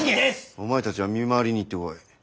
お前たちは見回りに行ってこい。